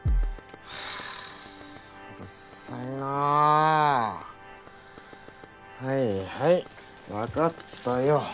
はぁうるさいな！はいはい分かったよ。